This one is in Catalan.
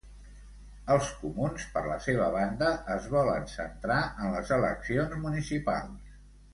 Els comuns, per la seva banda, es volen centrar en les eleccions municipals.